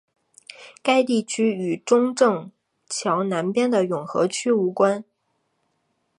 该地区与中正桥南边的永和区无关。